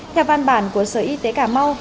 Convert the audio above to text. theo văn bản của sở y tế cà mau